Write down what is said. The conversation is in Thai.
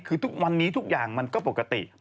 คือทุกวันนี้ทุกอย่างมันก็ปกติ